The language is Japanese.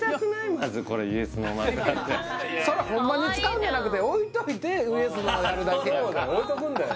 まずこれＹＥＳ／ＮＯ枕ってそらホンマに使うんじゃなくて置いといてＹＥＳ／ＮＯやるだけやからそうだよ